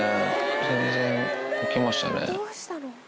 全然いけましたね。